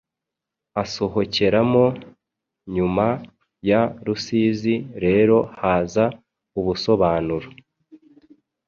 asohokeramo. Nyuma ya Rusizi rero haza ubusobanuro